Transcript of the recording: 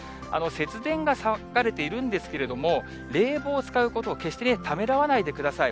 節電が騒がれているんですけれども、冷房を使うことを決してためらわないでください。